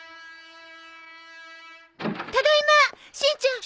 ただいましんちゃん！